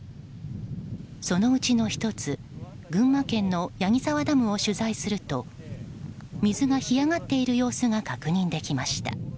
そのうちの１つ群馬県の矢木沢ダムを取材すると水が干上がっている様子が確認できました。